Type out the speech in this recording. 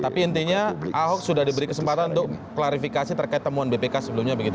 tapi intinya ahok sudah diberi kesempatan untuk klarifikasi terkait temuan bpk sebelumnya begitu